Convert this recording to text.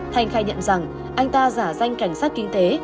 thanh khai nhận rằng anh ta giả danh cảnh sát kinh tế